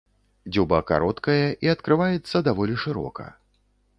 Дзюба кароткая і адкрываецца даволі шырока.